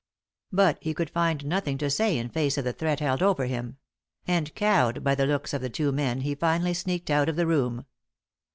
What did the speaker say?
But he could find nothing to say in face of the threat held over him; and, cowed by the looks of the two men, he finally sneaked out of the room.